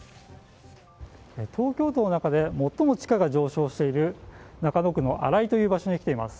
東京都の中で最も地価が上昇している中野区の新井という場所に来ています。